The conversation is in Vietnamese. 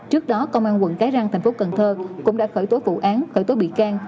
trước đó công an quận cái răng tp cn cũng đã khởi tố vụ án khởi tố bị can